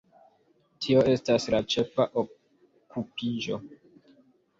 Tio estas la ĉefa okupiĝo.